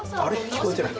聞こえてない。